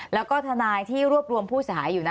แล้วก็ทนายที่รวบรวมผู้เสียหายอยู่นะ